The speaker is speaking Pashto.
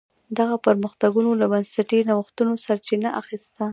دغه پرمختګونو له بنسټي نوښتونو سرچینه اخیسته.